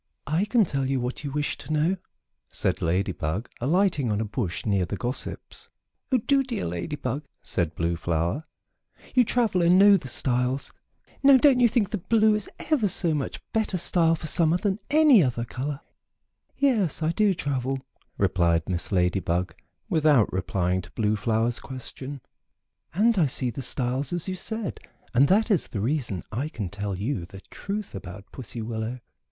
"I can tell you what you wish to know," said Lady Bug, alighting on a bush near the gossips. "Oh, do, dear Lady Bug!" said Blue Flower. "You travel and know the styles. Now don't you think blue is ever so much better style for summer than any other color?" "Yes, I do travel," replied Miss Lady Bug, without replying to Blue Flower's question, "and I see the styles, as you said, and that is the reason I can tell you the truth about Pussy Willow.